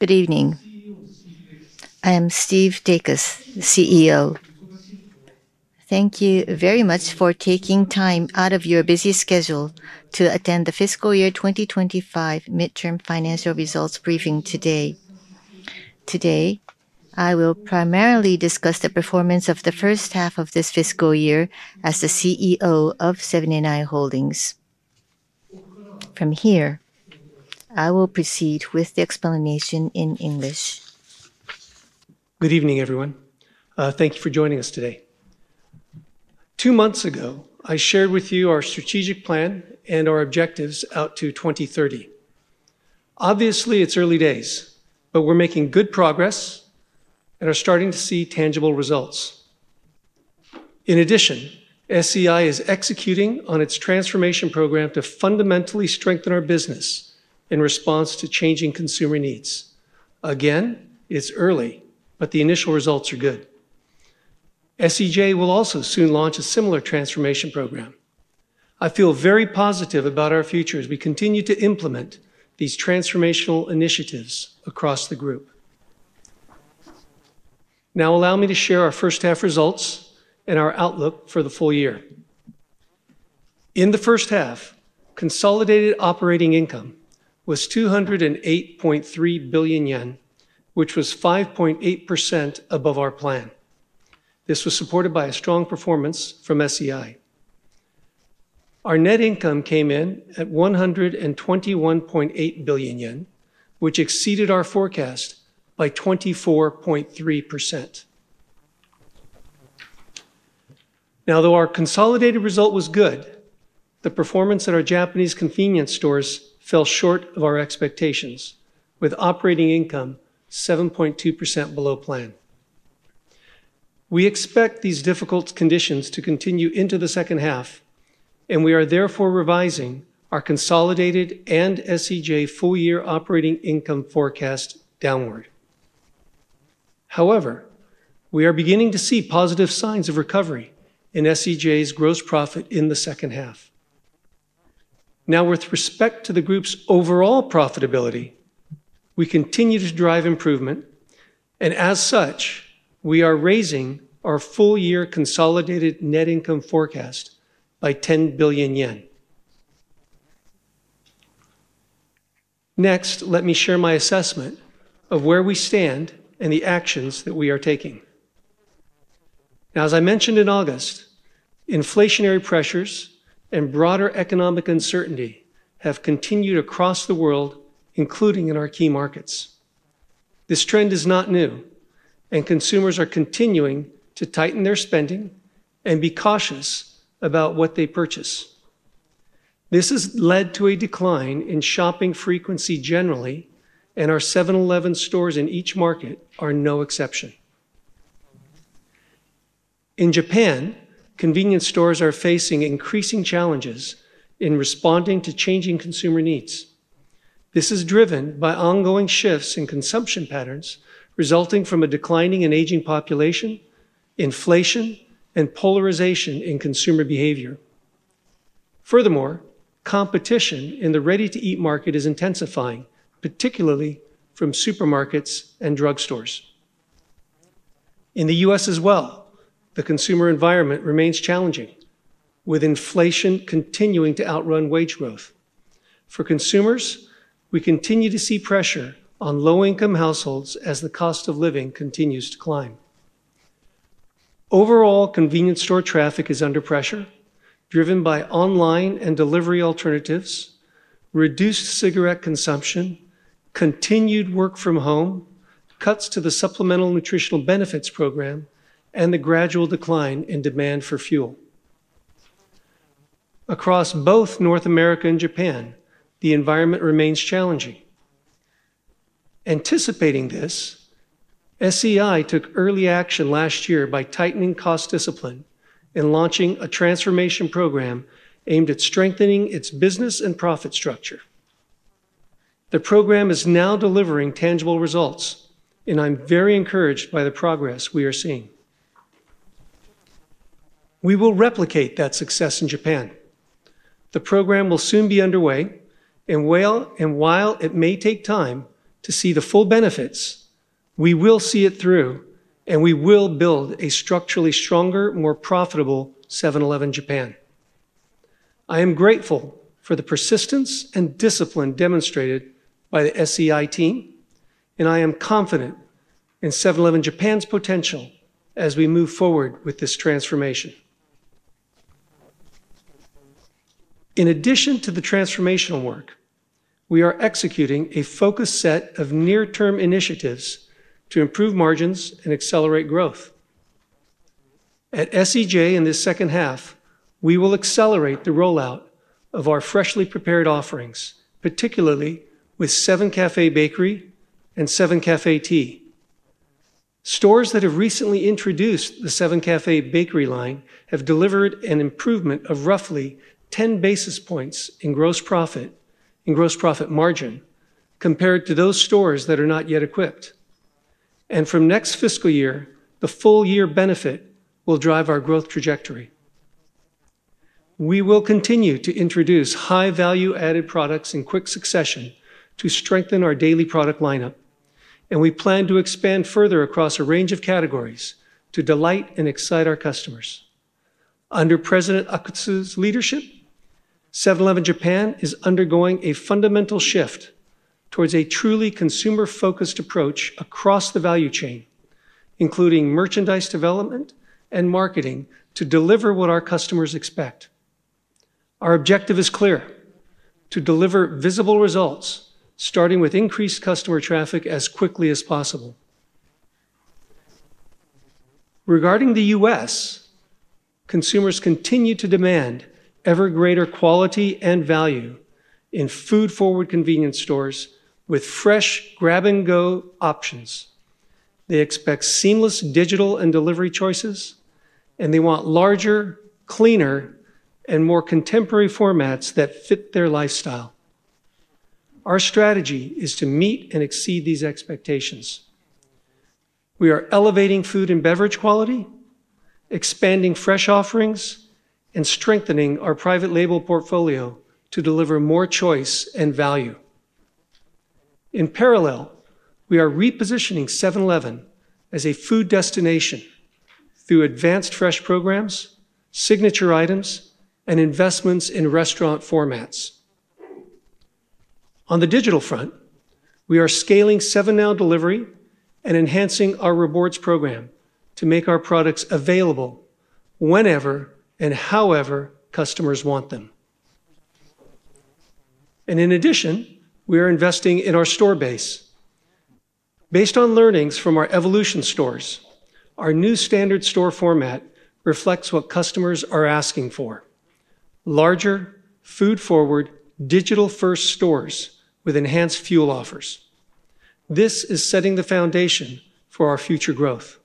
Good evening. I am Steve Dacus, CEO. Thank you very much for taking time out of your busy schedule to attend the Fiscal Year 2025 Midterm Financial Results briefing today. Today, I will primarily discuss the performance of the first half of this fiscal year as the CEO of Seven & i Holdings Co. From here, I will proceed with the explanation in English. Good evening, everyone. Thank you for joining us today. Two months ago, I shared with you our strategic plan and our objectives out to 2030. Obviously, it's early days, but we're making good progress and are starting to see tangible results. In addition, SEI is executing on its transformation program to fundamentally strengthen our business in response to changing consumer needs. Again, it's early, but the initial results are good. SEJ will also soon launch a similar transformation program. I feel very positive about our future as we continue to implement these transformational initiatives across the group. Now, allow me to share our first half results and our outlook for the full year. In the first half, consolidated operating income was 208.3 billion yen, which was 5.8% above our plan. This was supported by a strong performance from SEI. Our net income came in at 121.8 billion yen, which exceeded our forecast by 24.3%. Now, though our consolidated result was good, the performance at our Japanese convenience stores fell short of our expectations, with operating income 7.2% below plan. We expect these difficult conditions to continue into the second half, and we are therefore revising our consolidated and SEJ full-year operating income forecast downward. However, we are beginning to see positive signs of recovery in SEJ's gross profit in the second half. Now, with respect to the group's overall profitability, we continue to drive improvement, and as such, we are raising our full-year consolidated net income forecast by 10 billion yen. Next, let me share my assessment of where we stand and the actions that we are taking. Now, as I mentioned in August, inflationary pressures and broader economic uncertainty have continued across the world, including in our key markets. This trend is not new, and consumers are continuing to tighten their spending and be cautious about what they purchase. This has led to a decline in shopping frequency generally, and our 7-Eleven stores in each market are no exception. In Japan, convenience stores are facing increasing challenges in responding to changing consumer needs. This is driven by ongoing shifts in consumption patterns resulting from a declining and aging population, inflation, and polarization in consumer behavior. Furthermore, competition in the ready-to-eat market is intensifying, particularly from supermarkets and drugstores. In the U.S. as well, the consumer environment remains challenging, with inflation continuing to outrun wage growth. For consumers, we continue to see pressure on low-income households as the cost of living continues to climb. Overall, convenience store traffic is under pressure, driven by online and delivery alternatives, reduced cigarette consumption, continued work from home, cuts to the Supplemental Nutrition Assistance Program, and the gradual decline in demand for fuel. Across both North America and Japan, the environment remains challenging. Anticipating this, SEI took early action last year by tightening cost discipline and launching a transformation program aimed at strengthening its business and profit structure. The program is now delivering tangible results, and I'm very encouraged by the progress we are seeing. We will replicate that success in Japan. The program will soon be underway, and while it may take time to see the full benefits, we will see it through, and we will build a structurally stronger, more profitable 7-Eleven Japan. I am grateful for the persistence and discipline demonstrated by the SEI team, and I am confident in 7-Eleven Japan's potential as we move forward with this transformation. In addition to the transformational work, we are executing a focused set of near-term initiatives to improve margins and accelerate growth. At SEJ, in this second half, we will accelerate the rollout of our freshly prepared offerings, particularly with Seven Cafe Bakery and Seven Cafe Tea. Stores that have recently introduced the Seven Cafe Bakery line have delivered an improvement of roughly 10 basis points in gross profit margin compared to those stores that are not yet equipped. From next fiscal year, the full-year benefit will drive our growth trajectory. We will continue to introduce high-value-added products in quick succession to strengthen our daily product lineup, and we plan to expand further across a range of categories to delight and excite our customers. Under President Akutsu's leadership, Seven-Eleven Japan is undergoing a fundamental shift towards a truly consumer-focused approach across the value chain, including merchandise development and marketing to deliver what our customers expect. Our objective is clear: to deliver visible results, starting with increased customer traffic as quickly as possible. Regarding the U.S., consumers continue to demand ever greater quality and value in food-forward convenience stores with fresh grab-and-go options. They expect seamless digital and delivery choices, and they want larger, cleaner, and more contemporary formats that fit their lifestyle. Our strategy is to meet and exceed these expectations. We are elevating food and beverage quality, expanding fresh offerings, and strengthening our private label portfolio to deliver more choice and value. In parallel, we are repositioning 7-Eleven as a food destination through advanced fresh programs, signature items, and investments in restaurant formats. On the digital front, we are scaling 7NOW delivery and enhancing our rewards program to make our products available whenever and however customers want them. In addition, we are investing in our store base. Based on learnings from our evolution stores, our new standard store format reflects what customers are asking for: larger, food-forward, digital-first stores with enhanced fuel offers. This is setting the foundation for our future growth.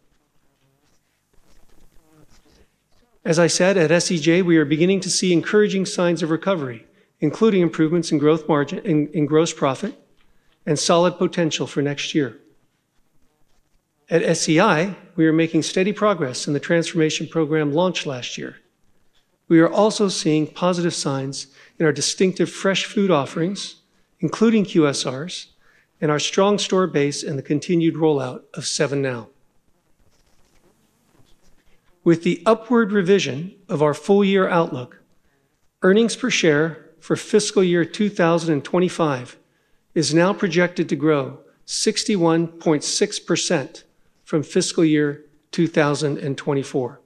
As I said, at SEJ, we are beginning to see encouraging signs of recovery, including improvements in gross profit and solid potential for next year. At SEI, we are making steady progress in the transformation program launched last year. We are also seeing positive signs in our distinctive fresh food offerings, including QSRs, and our strong store base and the continued rollout of 7NOW. With the upward revision of our full-year outlook, earnings per share for fiscal year 2025 is now projected to grow 61.6% from fiscal year 2024.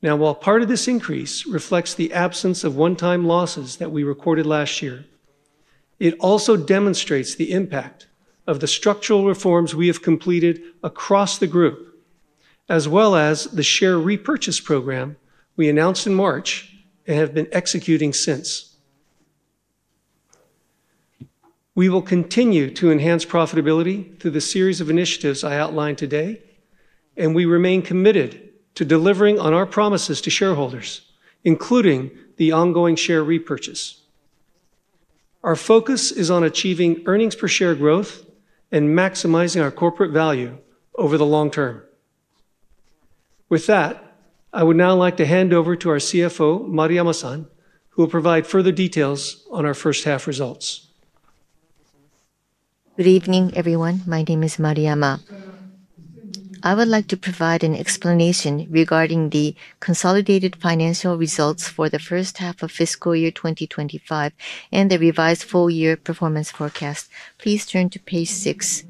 Now, while part of this increase reflects the absence of one-time losses that we recorded last year, it also demonstrates the impact of the structural reforms we have completed across the group. As well as the share repurchase program we announced in March and have been executing since. We will continue to enhance profitability through the series of initiatives I outlined today, and we remain committed to delivering on our promises to shareholders, including the ongoing share repurchase. Our focus is on achieving earnings per share growth and maximizing our corporate value over the long term. With that, I would now like to hand over to our CFO, Marayuma-san, who will provide further details on our first half results. Good evening, everyone. My name is Marayuma. I would like to provide an explanation regarding the consolidated financial results for the first half of fiscal year 2025 and the revised full-year performance forecast. Please turn to page six.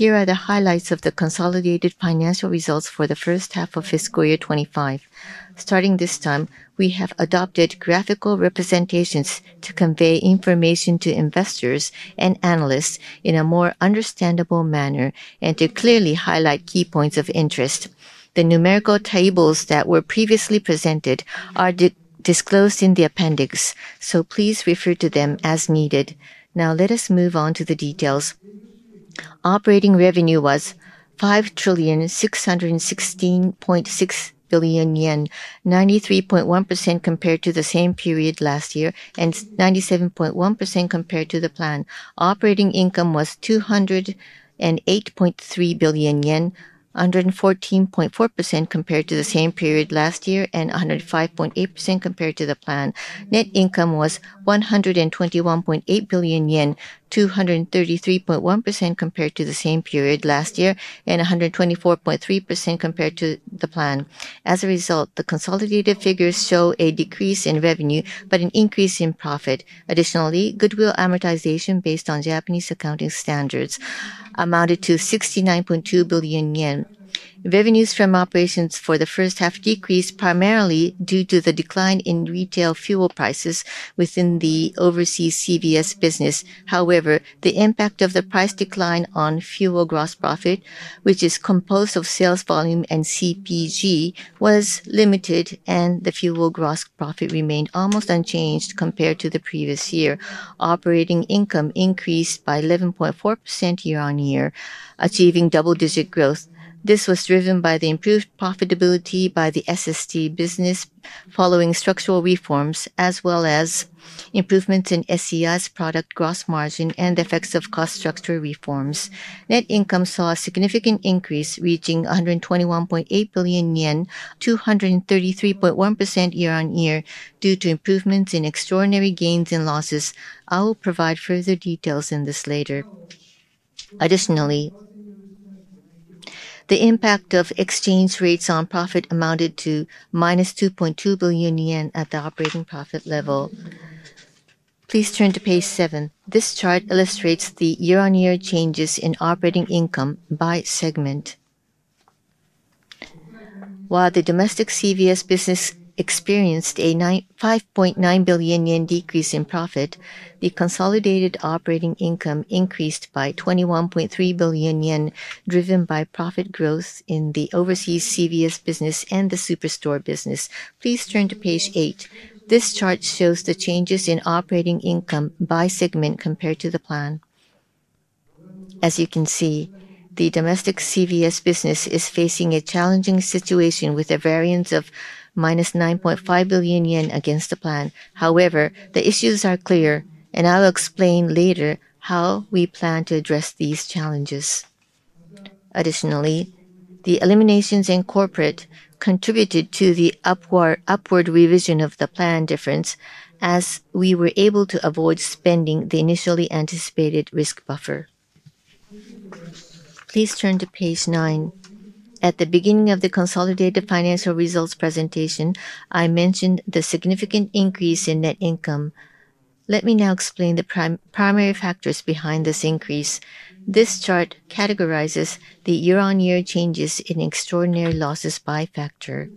Here are the highlights of the consolidated financial results for the first half of fiscal year 2025. Starting this time, we have adopted graphical representations to convey information to investors and analysts in a more understandable manner and to clearly highlight key points of interest. The numerical tables that were previously presented are disclosed in the appendix, so please refer to them as needed. Now, let us move on to the details. Operating revenue was 5,616.6 billion yen, 93.1% compared to the same period last year and 97.1% compared to the plan. Operating income was 208.3 billion yen, 114.4% compared to the same period last year and 105.8% compared to the plan. Net income was 121.8 billion yen, 233.1% compared to the same period last year and 124.3% compared to the plan. As a result, the consolidated figures show a decrease in revenue but an increase in profit. Additionally, goodwill amortization based on Japanese accounting standards amounted to 69.2 billion yen. Revenues from operations for the first half decreased primarily due to the decline in retail fuel prices within the overseas CVS business. However, the impact of the price decline on fuel gross profit, which is composed of sales volume and CPG, was limited, and the fuel gross profit remained almost unchanged compared to the previous year. Operating income increased by 11.4% year-on-year, achieving double-digit growth. This was driven by the improved profitability by the SST business following structural reforms, as well as improvements in SEI's product gross margin and effects of cost structure reforms. Net income saw a significant increase, reaching 121.8 billion yen, 233.1% year-on-year, due to improvements in extraordinary gains and losses. I will provide further details in this later. Additionally, the impact of exchange rates on profit amounted to minus 2.2 billion yen at the operating profit level. Please turn to page seven. This chart illustrates the year-on-year changes in operating income by segment. While the domestic CVS business experienced a 5.9 billion yen decrease in profit, the consolidated operating income increased by 21.3 billion yen, driven by profit growth in the overseas CVS business and the superstore business. Please turn to page eight. This chart shows the changes in operating income by segment compared to the plan. As you can see, the domestic CVS business is facing a challenging situation with a variance of minus 9.5 billion yen against the plan. However, the issues are clear, and I'll explain later how we plan to address these challenges. Additionally, the eliminations in corporate contributed to the upward revision of the plan difference, as we were able to avoid spending the initially anticipated risk buffer. Please turn to page nine. At the beginning of the consolidated financial results presentation, I mentioned the significant increase in net income. Let me now explain the primary factors behind this increase. This chart categorizes the year-on-year changes in extraordinary losses by factor.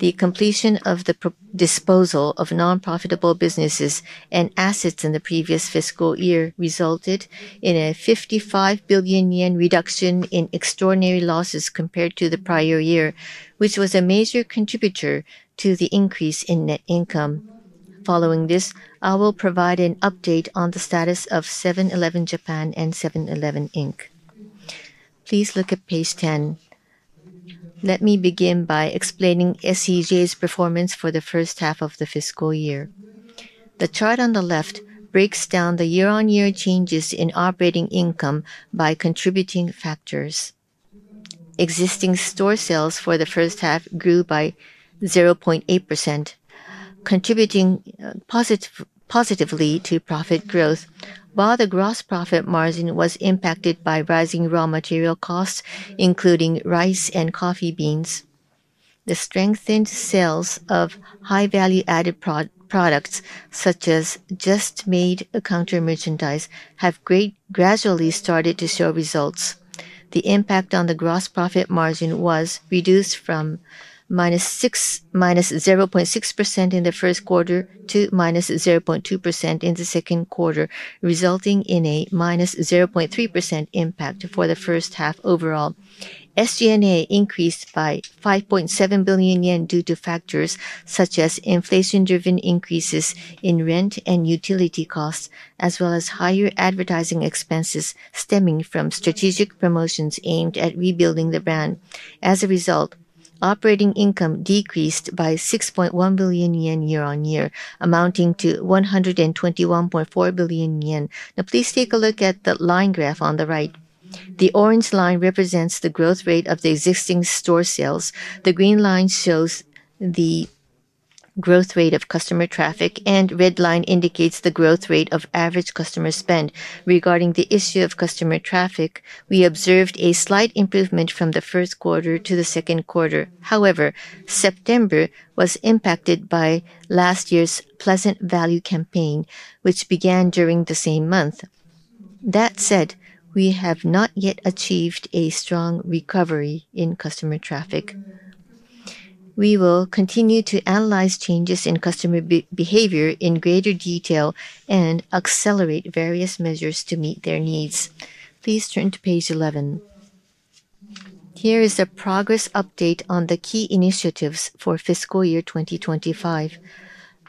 The completion of the disposal of nonprofitable businesses and assets in the previous fiscal year resulted in a 55 billion yen reduction in extraordinary losses compared to the prior year, which was a major contributor to the increase in net income. Following this, I will provide an update on the status of Seven-Eleven Japan and Seven-Eleven, Inc. Please look at page ten. Let me begin by explaining SEJ's performance for the first half of the fiscal year. The chart on the left breaks down the year-on-year changes in operating income by contributing factors. Existing store sales for the first half grew by 0.8%, contributing positively to profit growth, while the gross profit margin was impacted by rising raw material costs, including rice and coffee beans. The strengthened sales of high-value-added products, such as just-made counter merchandise, have gradually started to show results. The impact on the gross profit margin was reduced from minus 0.6% in the first quarter to minus 0.2% in the second quarter, resulting in a minus 0.3% impact for the first half overall. SG&A increased by 5.7 billion yen due to factors such as inflation-driven increases in rent and utility costs, as well as higher advertising expenses stemming from strategic promotions aimed at rebuilding the brand. As a result, operating income decreased by 6.1 billion yen year-on-year, amounting to 121.4 billion yen. Now, please take a look at the line graph on the right. The orange line represents the growth rate of the existing store sales. The green line shows the growth rate of customer traffic, and the red line indicates the growth rate of average customer spend. Regarding the issue of customer traffic, we observed a slight improvement from the first quarter to the second quarter. However, September was impacted by last year's pleasant value campaign, which began during the same month. That said, we have not yet achieved a strong recovery in customer traffic. We will continue to analyze changes in customer behavior in greater detail and accelerate various measures to meet their needs. Please turn to page eleven. Here is a progress update on the key initiatives for fiscal year 2025.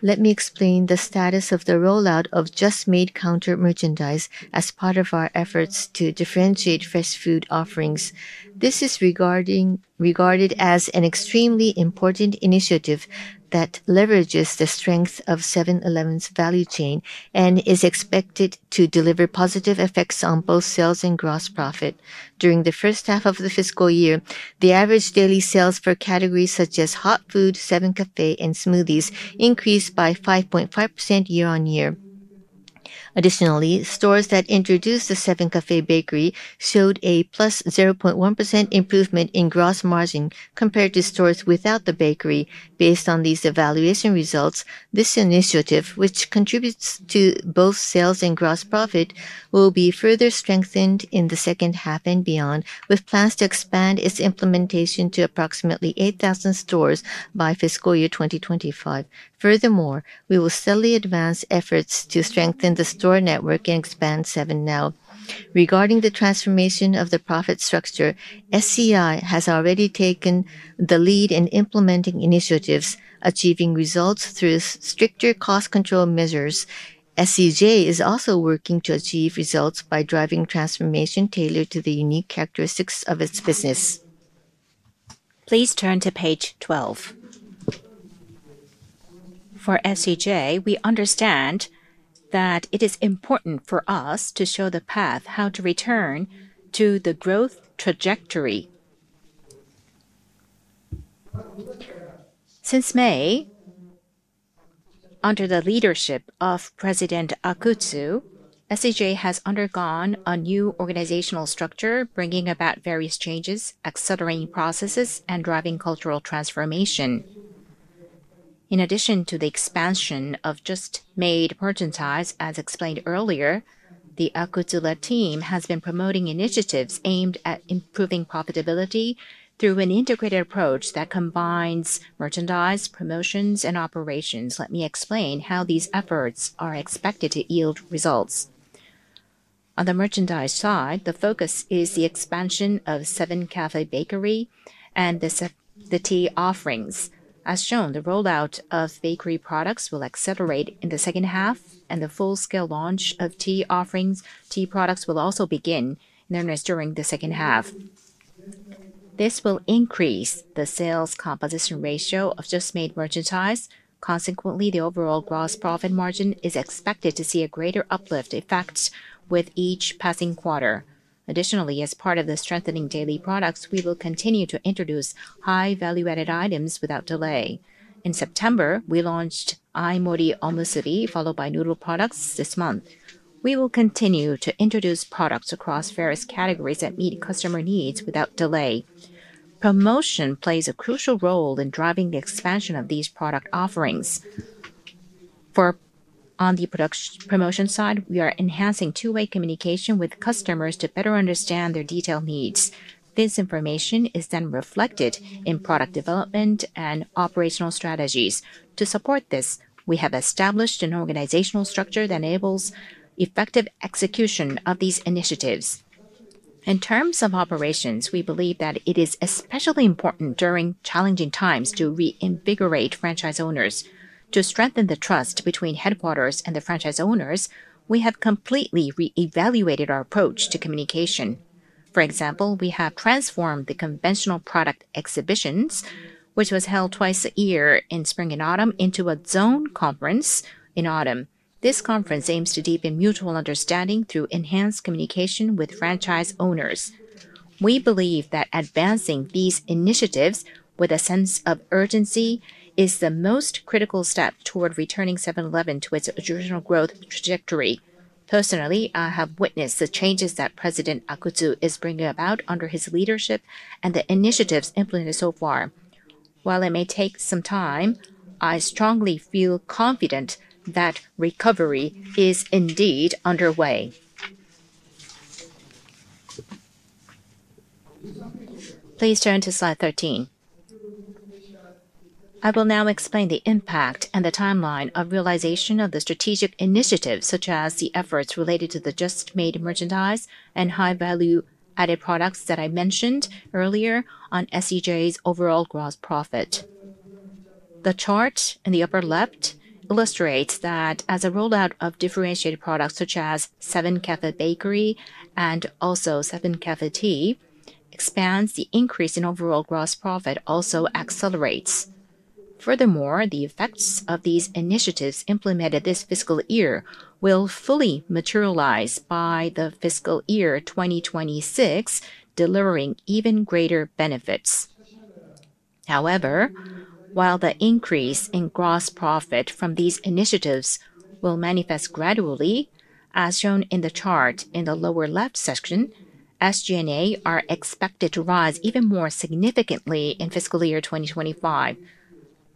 Let me explain the status of the rollout of just-made counter merchandise as part of our efforts to differentiate fresh food offerings. This is regarded as an extremely important initiative that leverages the strength of Seven-Eleven's value chain and is expected to deliver positive effects on both sales and gross profit. During the first half of the fiscal year, the average daily sales for categories such as hot food, Seven Cafe, and smoothies increased by 5.5% year-on-year. Additionally, stores that introduced the Seven Cafe Bakery showed a plus 0.1% improvement in gross margin compared to stores without the bakery. Based on these evaluation results, this initiative, which contributes to both sales and gross profit, will be further strengthened in the second half and beyond, with plans to expand its implementation to approximately 8,000 stores by fiscal year 2025. Furthermore, we will steadily advance efforts to strengthen the store network and expand 7NOW. Regarding the transformation of the profit structure, Seven-Eleven, Inc. has already taken the lead in implementing initiatives, achieving results through stricter cost control measures. Seven-Eleven Japan is also working to achieve results by driving transformation tailored to the unique characteristics of its business. Please turn to page 12. For Seven-Eleven Japan, we understand that it is important for us to show the path how to return to the growth trajectory. Since May, under the leadership of President Akutsu, Seven-Eleven Japan has undergone a new organizational structure, bringing about various changes, accelerating processes, and driving cultural transformation. In addition to the expansion of just-made merchandise, as explained earlier, the Akutsu team has been promoting initiatives aimed at improving profitability through an integrated approach that combines merchandise, promotions, and operations. Let me explain how these efforts are expected to yield results. On the merchandise side, the focus is the expansion of Seven Cafe Bakery and the tea offerings. As shown, the rollout of bakery products will accelerate in the second half, and the full-scale launch of tea offerings, tea products, will also begin during the second half. This will increase the sales composition ratio of just-made merchandise. Consequently, the overall gross profit margin is expected to see a greater uplift, in fact, with each passing quarter. Additionally, as part of the strengthening daily products, we will continue to introduce high-value-added items without delay. In September, we launched iMori Omusubi, followed by noodle products this month. We will continue to introduce products across various categories that meet customer needs without delay. Promotion plays a crucial role in driving the expansion of these product offerings. On the promotion side, we are enhancing two-way communication with customers to better understand their detailed needs. This information is then reflected in product development and operational strategies. To support this, we have established an organizational structure that enables effective execution of these initiatives. In terms of operations, we believe that it is especially important during challenging times to reinvigorate franchise owners. To strengthen the trust between headquarters and the franchise owners, we have completely reevaluated our approach to communication. For example, we have transformed the conventional product exhibitions, which was held twice a year in spring and autumn, into a zone conference in autumn. This conference aims to deepen mutual understanding through enhanced communication with franchise owners. We believe that advancing these initiatives with a sense of urgency is the most critical step toward returning Seven-Eleven to its original growth trajectory. Personally, I have witnessed the changes that President Akutsu is bringing about under his leadership and the initiatives implemented so far. While it may take some time, I strongly feel confident that recovery is indeed underway. Please turn to slide 13. I will now explain the impact and the timeline of realization of the strategic initiatives, such as the efforts related to the just-made merchandise and high-value-added products that I mentioned earlier on SEJ's overall gross profit. The chart in the upper left illustrates that as a rollout of differentiated products, such as Seven Cafe Bakery and also Seven Cafe Tea, expands, the increase in overall gross profit also accelerates. Furthermore, the effects of these initiatives implemented this fiscal year will fully materialize by the fiscal year 2026, delivering even greater benefits. However, while the increase in gross profit from these initiatives will manifest gradually, as shown in the chart in the lower left section, SG&A are expected to rise even more significantly in fiscal year 2025.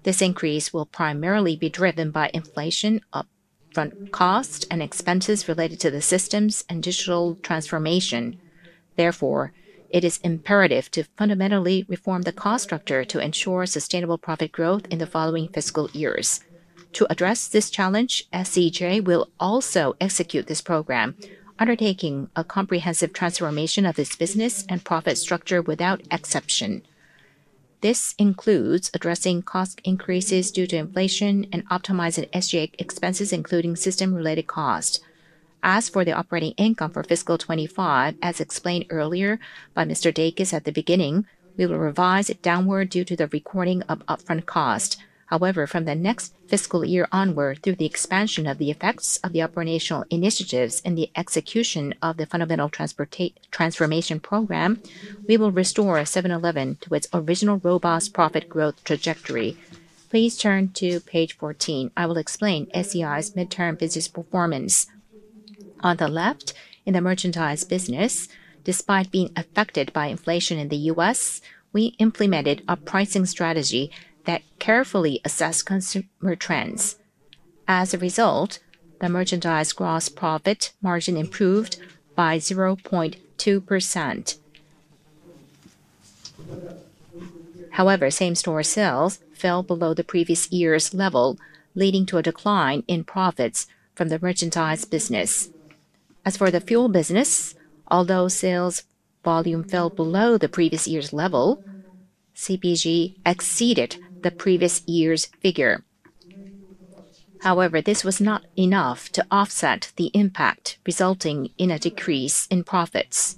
This increase will primarily be driven by inflation, upfront costs, and expenses related to the systems and digital transformation. Therefore, it is imperative to fundamentally reform the cost structure to ensure sustainable profit growth in the following fiscal years. To address this challenge, SEJ will also execute this program, undertaking a comprehensive transformation of its business and profit structure without exception. This includes addressing cost increases due to inflation and optimizing SG&A expenses, including system-related costs. As for the operating income for fiscal 2025, as explained earlier by Mr. Davis at the beginning, we will revise it downward due to the recording of upfront costs. However, from the next fiscal year onward, through the expansion of the effects of the operational initiatives and the execution of the fundamental transformation program, we will restore Seven-Eleven to its original robust profit growth trajectory. Please turn to page 14. I will explain SEI's midterm business performance. On the left, in the merchandise business, despite being affected by inflation in the US, we implemented a pricing strategy that carefully assessed consumer trends. As a result, the merchandise gross profit margin improved by 0.2%. However, same store sales fell below the previous year's level, leading to a decline in profits from the merchandise business. As for the fuel business, although sales volume fell below the previous year's level, CPG exceeded the previous year's figure. However, this was not enough to offset the impact, resulting in a decrease in profits.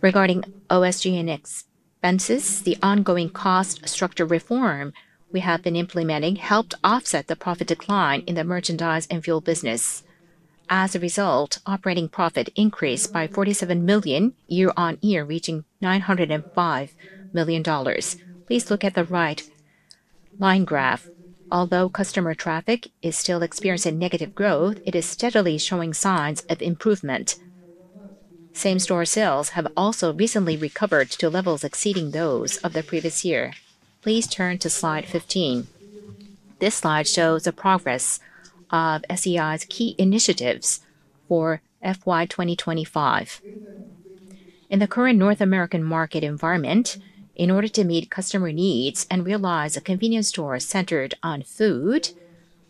Regarding OSG&A expenses, the ongoing cost structure reform we have been implementing helped offset the profit decline in the merchandise and fuel business. As a result, operating profit increased by $47 million year-on-year, reaching $905 million. Please look at the right. Line graph. Although customer traffic is still experiencing negative growth, it is steadily showing signs of improvement. Same store sales have also recently recovered to levels exceeding those of the previous year. Please turn to slide 15. This slide shows the progress of SEI's key initiatives for FY 2025. In the current North American market environment, in order to meet customer needs and realize a convenience store centered on food,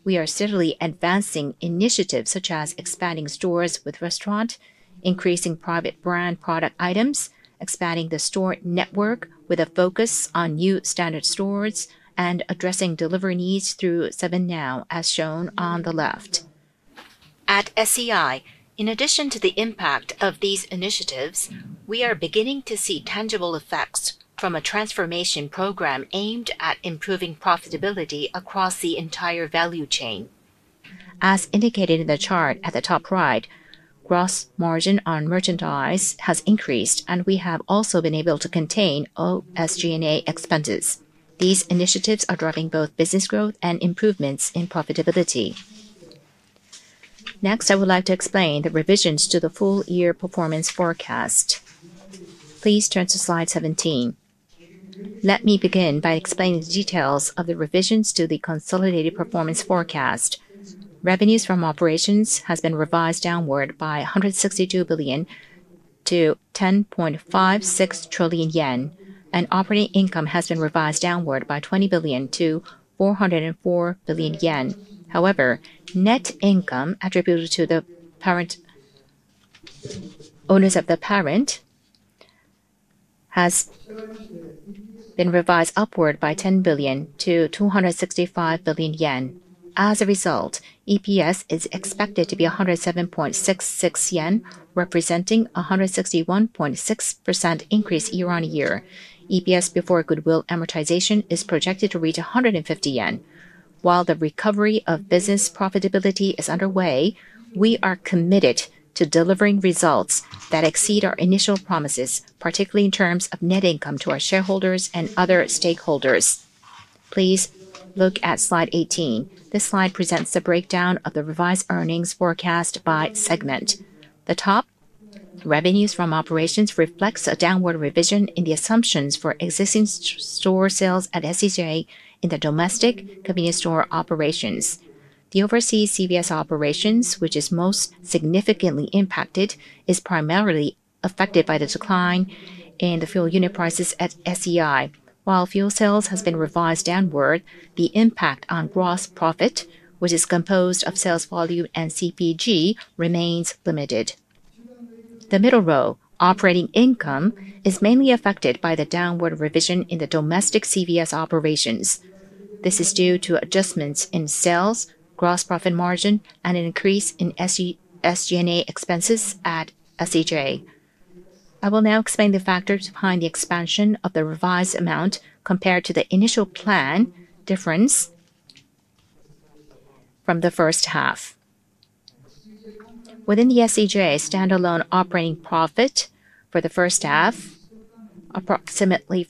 we are steadily advancing initiatives such as expanding stores with restaurants, increasing private brand product items, expanding the store network with a focus on new standard stores, and addressing delivery needs through 7NOW, as shown on the left. At SEI, in addition to the impact of these initiatives, we are beginning to see tangible effects from a transformation program aimed at improving profitability across the entire value chain. As indicated in the chart at the top right, gross margin on merchandise has increased, and we have also been able to contain SG&A expenses. These initiatives are driving both business growth and improvements in profitability. Next, I would like to explain the revisions to the full year performance forecast. Please turn to slide 17. Let me begin by explaining the details of the revisions to the consolidated performance forecast. Revenues from operations have been revised downward by 162 billion to 10.56 trillion yen, and operating income has been revised downward by 20 billion to 404 billion yen. However, net income attributed to the parent. Owners of the parent has been revised upward by 10 billion to 265 billion yen. As a result, EPS is expected to be 107.66 yen, representing a 161.6% increase year-on-year. EPS before goodwill amortization is projected to reach 150 yen. While the recovery of business profitability is underway, we are committed to delivering results that exceed our initial promises, particularly in terms of net income to our shareholders and other stakeholders. Please look at slide 18. This slide presents the breakdown of the revised earnings forecast by segment. The top. Revenues from operations reflects a downward revision in the assumptions for existing store sales at SEJ in the domestic convenience store operations. The overseas CVS operations, which is most significantly impacted, is primarily affected by the decline in the fuel unit prices at SEI. While fuel sales have been revised downward, the impact on gross profit, which is composed of sales volume and CPG, remains limited. The middle row, operating income, is mainly affected by the downward revision in the domestic CVS operations. This is due to adjustments in sales, gross profit margin, and an increase in SG&A expenses at SEJ. I will now explain the factors behind the expansion of the revised amount compared to the initial plan difference. From the first half. Within the SEJ standalone operating profit for the first half. Approximately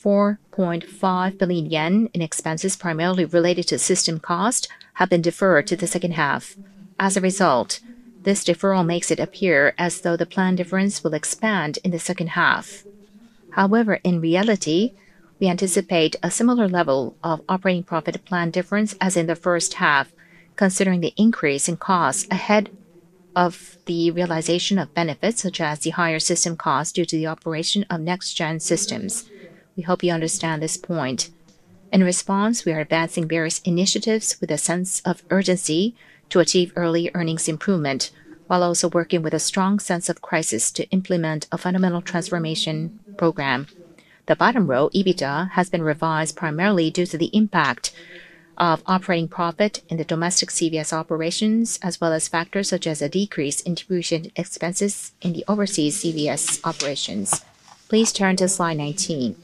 4.5 billion yen in expenses primarily related to system costs have been deferred to the second half. As a result, this deferral makes it appear as though the plan difference will expand in the second half. However, in reality, we anticipate a similar level of operating profit plan difference as in the first half, considering the increase in costs ahead of the realization of benefits, such as the higher system costs due to the operation of next-gen systems. We hope you understand this point. In response, we are advancing various initiatives with a sense of urgency to achieve early earnings improvement, while also working with a strong sense of crisis to implement a fundamental transformation program. The bottom row, EBITDA, has been revised primarily due to the impact of operating profit in the domestic CVS operations, as well as factors such as a decrease in diffusion expenses in the overseas CVS operations. Please turn to slide 19.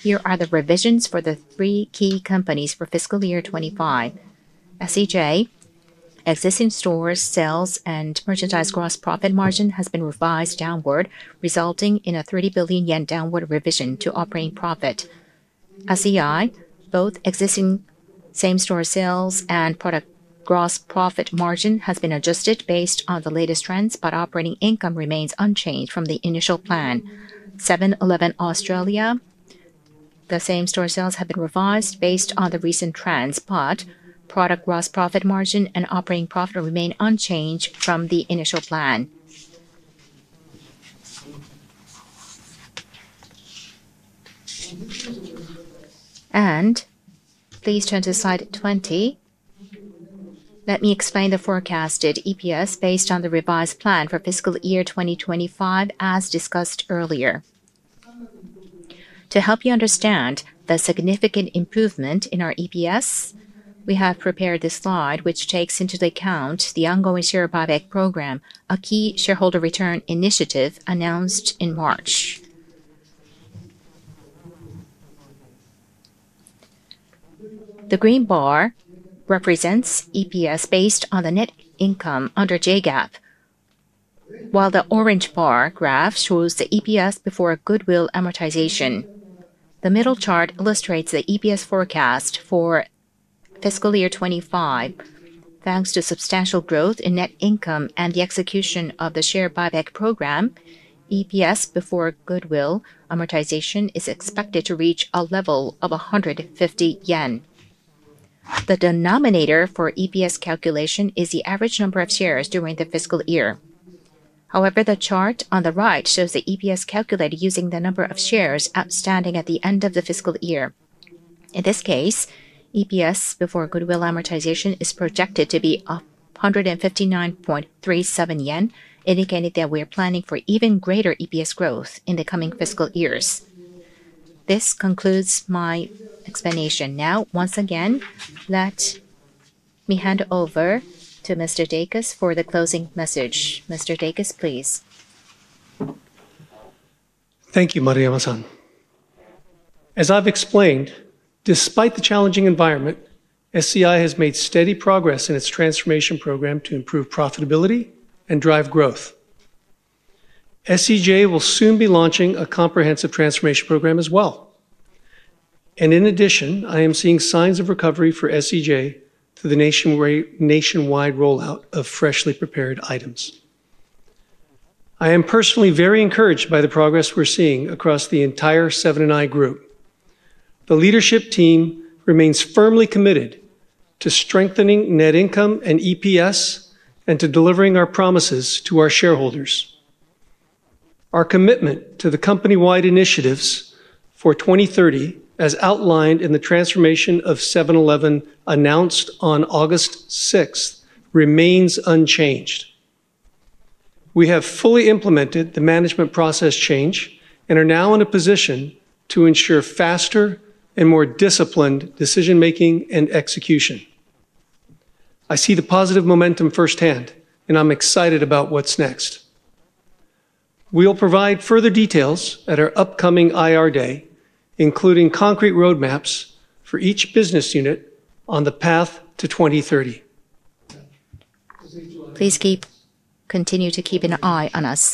Here are the revisions for the three key companies for fiscal year 2025. SEJ. Existing store sales and merchandise gross profit margin has been revised downward, resulting in a 30 billion yen downward revision to operating profit. SEI, both existing same store sales and product gross profit margin has been adjusted based on the latest trends, but operating income remains unchanged from the initial plan. Seven-Eleven Australia. The same store sales have been revised based on the recent trends, but product gross profit margin and operating profit remain unchanged from the initial plan. Please turn to slide 20. Let me explain the forecasted EPS based on the revised plan for fiscal year 2025, as discussed earlier. To help you understand the significant improvement in our EPS, we have prepared this slide, which takes into account the ongoing share buyback program, a key shareholder return initiative announced in March. The green bar represents EPS based on the net income under JGAP. The orange bar graph shows the EPS before goodwill amortization, and the middle chart illustrates the EPS forecast for fiscal year 2025. Thanks to substantial growth in net income and the execution of the share buyback program, EPS before goodwill amortization is expected to reach a level of 150 yen. The denominator for EPS calculation is the average number of shares during the fiscal year. The chart on the right shows the EPS calculated using the number of shares outstanding at the end of the fiscal year. In this case, EPS before goodwill amortization is projected to be 159.37 yen, indicating that we are planning for even greater EPS growth in the coming fiscal years. This concludes my explanation. Now, once again, let me hand over to Mr. Davis for the closing message. Mr. Davis, please. Thank you, Marayuma-san, as I've explained, despite the challenging environment, SEI has made steady progress in its transformation program to improve profitability and drive growth. SEJ will soon be launching a comprehensive transformation program as well. In addition, I am seeing signs of recovery for SEJ through the nationwide rollout of freshly prepared items. I am personally very encouraged by the progress we're seeing across the entire Seven & i Group. The leadership team remains firmly committed to strengthening net income and EPS and to delivering our promises to our shareholders. Our commitment to the company-wide initiatives for 2030, as outlined in the transformation of Seven-Eleven announced on August 6, remains unchanged. We have fully implemented the management process change and are now in a position to ensure faster and more disciplined decision-making and execution. I see the positive momentum firsthand, and I'm excited about what's next. We'll provide further details at our upcoming IR day, including concrete roadmaps for each business unit on the path to 2030. Please continue to keep an eye on us.